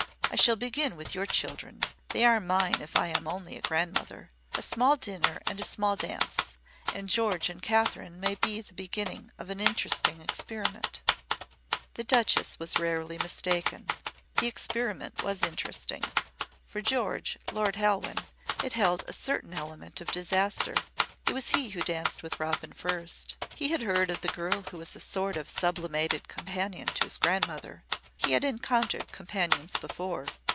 I shall begin with your children. They are mine if I am only a grandmother. A small dinner and a small dance and George and Kathryn may be the beginning of an interesting experiment." The Duchess was rarely mistaken. The experiment was interesting. For George Lord Halwyn it held a certain element of disaster. It was he who danced with Robin first. He had heard of the girl who was a sort of sublimated companion to his grandmother. He had encountered companions before.